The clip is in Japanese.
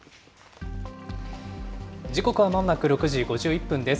時刻はまもなく６時５１分です。